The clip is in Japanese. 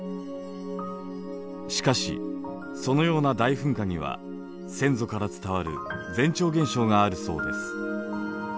しかしそのような大噴火には先祖から伝わる前兆現象があるそうです。